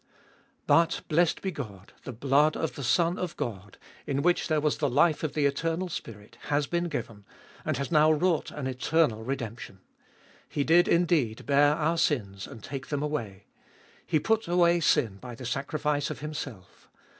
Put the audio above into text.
But, blessed be God, the blood of the Son of God, in which there was the life of the Eternal Spirit, has been given, and has now wrought an eternal redemption ! He did, indeed, bear our sins, and take them away. He put away sin by the sacrifice of Himself.